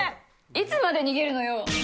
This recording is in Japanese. いつまで逃げるのよ。